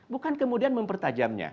bukan kemudian mempertajamnya